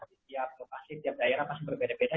di tiap lokasi tiap daerah pasti berbeda beda